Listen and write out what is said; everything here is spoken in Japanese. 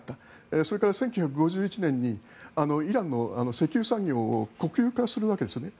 それから１９５１年にイランの石油産業を国有化するわけです。